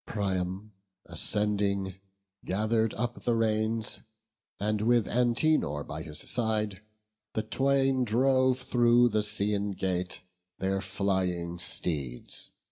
Priam, ascending, gather'd up the reins, And with Antenor by his side, the twain Drove through the Scaean gate their flying steeds.